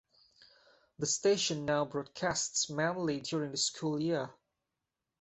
The station now broadcasts mainly during the school year.